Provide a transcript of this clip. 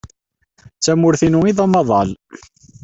D tamurt-inu ay d amaḍal.